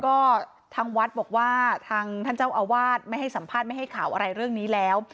ก็ทางวัดบอกว่าทางท่านเจ้าอาวาสไม่ให้สัมภาษณ์ไม่ให้ข่าวอะไรเรื่องนี้แล้ว